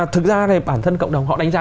thực ra bản thân cộng đồng họ đánh giá